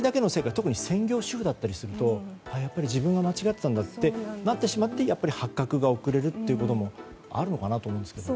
特に専業主婦だったりすると自分が間違っていたんだとなってしまってやっぱり発覚が遅れることもあるのかなと思うんですけど。